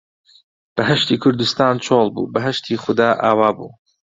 بەهەشتی کوردستان چۆڵ بوو، بەهەشتی خودا ئاوا بوو